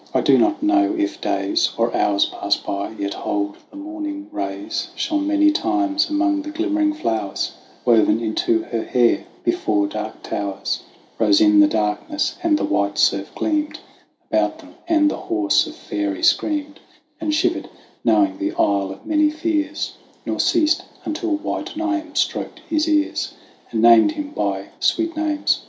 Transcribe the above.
I do not know if days Or hours passed by, yet hold the morning rays Shone many times among the glimmering flowers Wove in her flower like hair, before dark towers Rose in the darkness, and the white surf gleamed About them ; and the horse of faery screamed THE WANDERINGS OF OISIN 99 And shivered, knowing the Isle of many Fears, Nor ceased until white Niamh stroked his ears And named him by sweet names.